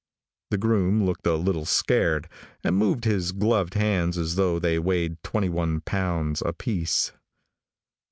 The groom looked a little scared, and moved his gloved hands as though they weighed twenty one pounds apiece.